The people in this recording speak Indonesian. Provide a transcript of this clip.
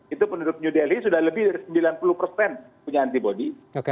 itu penduduk new delhi sudah lebih dari sembilan puluh persen punya antibody